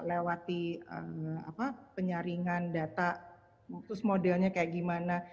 lewati penyaringan data terus modelnya kayak gimana